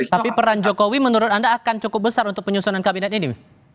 tapi peran jokowi menurut anda akan cukup besar untuk penyusunan kabinet ini